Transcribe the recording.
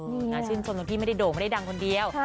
นาชินชมทุกท่านพี่ไม่ได้โด่งไม่ได้ดังคนเดียว